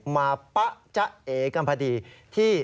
มาปะจะเอกันพอดี